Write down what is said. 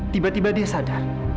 tiba tiba dia sadar